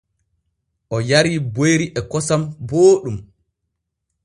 O yarii boyri e kosam booɗɗum.